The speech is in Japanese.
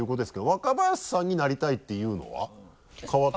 若林さんになりたいっていうのは変わったの？